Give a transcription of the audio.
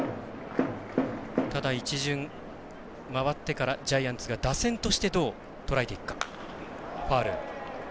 ただ、１巡回ってからジャイアンツが打線として、どうとらえていくか。